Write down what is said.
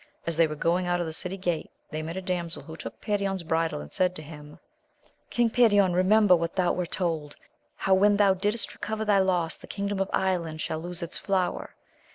As they were going out of the city gate, they met a damsel who took Perion's bridle, and said to him. King Perion, remember what thou wert told, — how, when thou didst recover thy loss, the kingdom of Ire land should lose its flower.